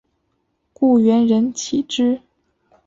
故园人岂知？